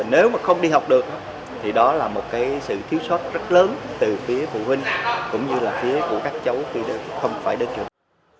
nếu mà không đi học được thì đó là một sự thiếu sót rất lớn từ phía phụ huynh cũng như là phía của các cháu khi không phải đến trường